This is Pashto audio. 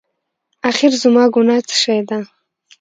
اخېر زما ګناه څه شی ده؟